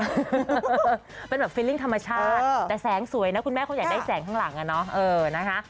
เป็นแบบฟิลลิ่งธรรมชาติแต่แสงสวยนะคุณแม่เขาอยากได้แสงข้างหลังอ่ะเนาะนะคะ